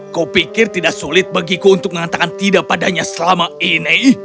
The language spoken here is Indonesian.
kau pikir tidak sulit bagiku untuk mengatakan tidak padanya selama ini